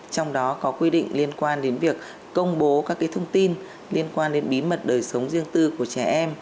trong đó có quy định liên quan đến việc công bố các thông tin liên quan đến bí mật đời sống riêng tư của trẻ em